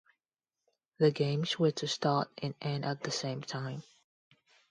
The games were to start and end at the same time.